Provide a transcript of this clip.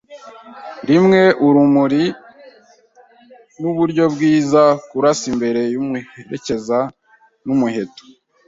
rimwe urumuri nuburyo bwiza, kurasa imbere yumuherekeza, numuheto